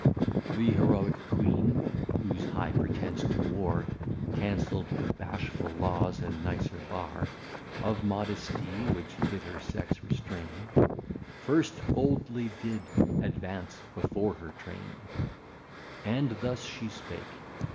Th'Heroick Queen (whose high pretence to War Cancell'd the bashful Laws and nicer Bar Of Modesty, which did her Sex restrain) First boldly did advance before her Train, And thus she spake.